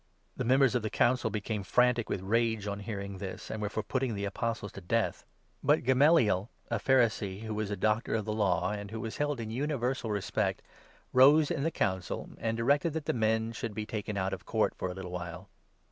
The members of the Council became frantic with rage on hearing 33 THE ACTS, 5 6. 223 this, and were for putting the Apostles to death. But 34 Gamaliel, a Pharisee, who was a Doctor of the Law and who was held in universal respect, rose in the Council, and directed that the men should be taken out of court for a little while.